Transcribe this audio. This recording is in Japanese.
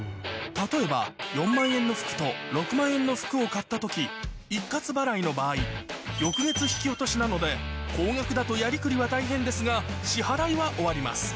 例えば４万円の服と６万円の服を買った時一括払いの場合翌月引き落としなので高額だとやりくりは大変ですが支払いは終わります